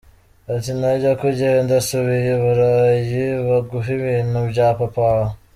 Ati : najya kugenda, asubiye i Burayi, baguhe ibintu bya papa wawe.